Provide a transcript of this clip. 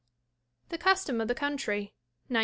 The Custom of the Country, 1913.